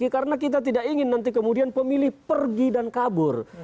karena kita tidak ingin nanti kemudian pemilih pergi dan kabur